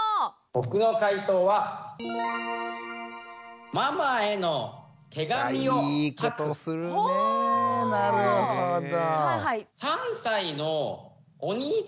僕の解答はあいいことするねなるほど。